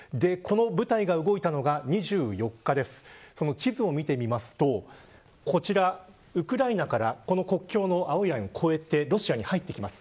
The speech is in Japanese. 地図を見てみますとウクライナから国境の青いラインを越えてロシアに入ってきます。